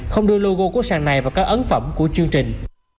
không đưa logo của sàn này vào các ấn phẩm của chương trình